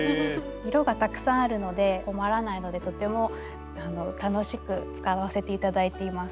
色がたくさんあるので困らないのでとても楽しく使わせて頂いています。